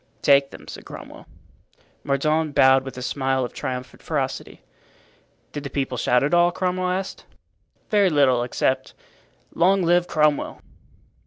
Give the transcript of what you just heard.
"Take them," said Cromwell. Mordaunt bowed with a smile of triumphant ferocity. "Did the people shout at all?" Cromwell asked. "Very little, except 'Long live Cromwell!